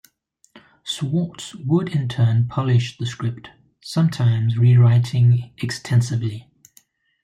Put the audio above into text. Schwartz would in turn polish the script, sometimes rewriting extensively.